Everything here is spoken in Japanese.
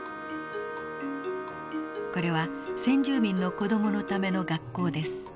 これは先住民の子どものための学校です。